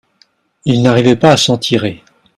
il n'arrivait pas à s'en tirer.